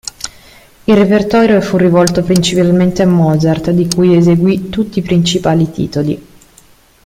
Il repertorio fu rivolto principalmente a Mozart, di cui eseguì tutti i principali titoli.